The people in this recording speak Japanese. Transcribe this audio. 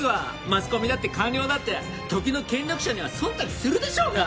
マスコミだって官僚だって時の権力者には忖度するでしょうが！